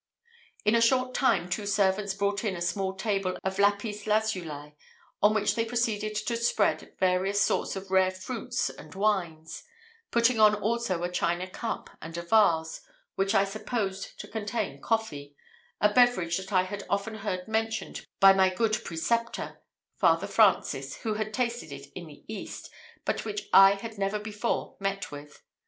In a short time two servants brought in a small table of lapis lazuli, on which they proceeded to spread various sorts of rare fruits and wines; putting on also a china cup and a vase, which I supposed to contain coffee a beverage that I had often heard mentioned by my good preceptor, Father Francis, who had tasted it in the East, but which I had never before met with.